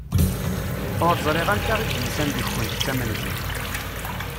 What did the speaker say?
Ur ẓriɣ anta i d-yusan deg-kunt d tamenzut.